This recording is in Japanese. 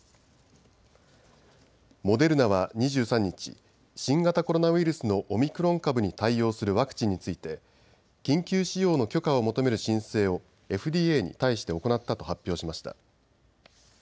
モデルナは２３日、新型コロナウイルスのオミクロン株に対応するワクチンについて緊急使用の許可を求める申請をＦＤＡに対して行ったと発表しました。